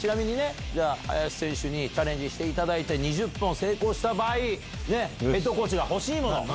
林選手にチャレンジしていただいて２０本成功した場合ヘッドコーチが欲しいもの